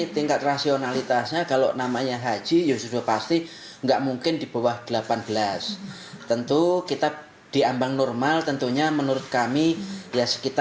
tentunya itu kami